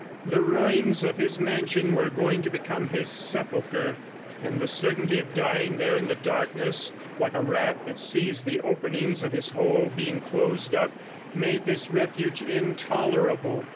The ruins of his mansion were going to become his sepulchre. ... And the certainty of dying there in the darkness, like a rat that sees the openings of his hole being closed up, made this refuge intolerable.